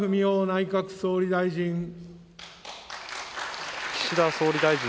内閣総理大臣。